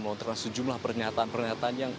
melontarkan sejumlah pernyataan pernyataan yang